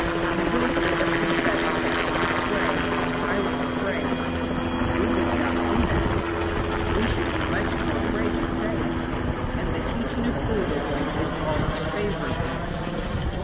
You will hear them confess in the calmest way, 'I was afraid.' We would not do that; we should be much more afraid to say it. And the teaching of Buddhism is all in favour of this.